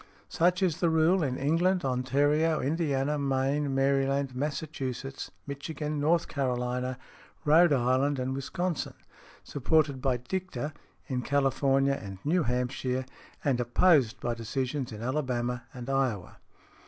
Such is the rule in England, Ontario, Indiana, Maine, Maryland, Massachusetts, Michigan, North Carolina, Rhode Island and Wisconsin, supported by dicta in California and New Hampshire, and opposed by decisions in Alabama and Iowa .